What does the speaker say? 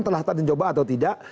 telah tadi coba atau tidak